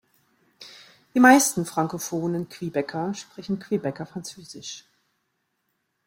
Die meisten frankophonen Quebecer sprechen Quebecer Französisch.